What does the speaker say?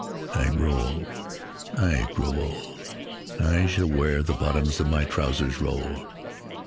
I grow old ... I grow old ... I shall wear the bottoms of my trousers rolled.